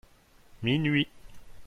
Minuit.